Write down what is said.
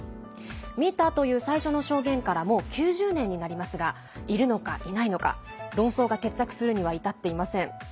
見たという最初の証言からもう９０年になりますがいるのかいないのか論争が決着するには至っていません。